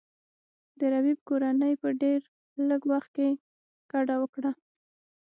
د ربیټ کورنۍ په ډیر لږ وخت کې کډه وکړه